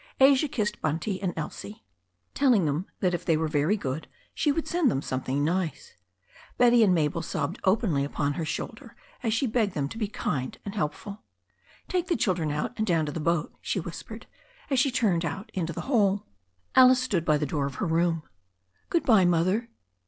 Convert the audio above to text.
Asia kissed Bunty and Elsie, telling them that if they were very good she would send them something nice. Betty and Mabel sobbed openly upon her shoulder, as she begged them to be kind and helpful. "Take the children out and down to the boat," she whis pered, as she turned out into the hall. 238 THE STORY OF A NEW ZEALAND RIVER Alice stood by the door of her room. "Good bye, Mother."